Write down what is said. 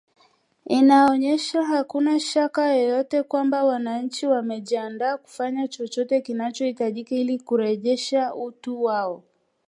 Inaonyesha hakuna shaka yoyote kwamba wananchi wamejiandaa kufanya chochote kinachohitajika ili kurejesha utu wao